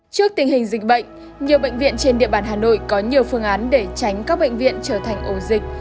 trước tình hình dịch bệnh nhiều bệnh viện trên địa bàn hà nội có nhiều phương án để tránh các bệnh viện trở thành ổ dịch